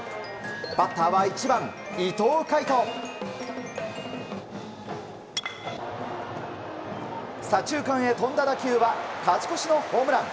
バッターは１番、伊藤櫂人左中間へ飛んだ打球は勝ち越しのホームラン。